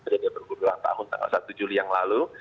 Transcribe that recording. jadi bergurau gurauan tahun satu juli yang lalu